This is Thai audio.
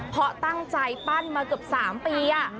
เพราะตั้งใจปั้นมาเกือบ๓ปี